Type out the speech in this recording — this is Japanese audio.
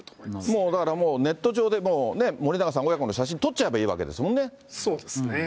もう、だからもう、ネット上で森永さん親子の写真撮っちゃえそうですね。